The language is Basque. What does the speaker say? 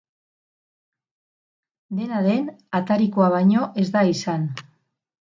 Dena den, atarikoa baino ez da izan.